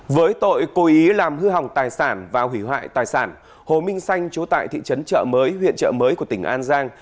với tội cố ý làm hư hỏng tài sản và hủy hoại tài sản hồ minh xanh chú tại thị trấn trợ mới huyện trợ mới của tỉnh an giang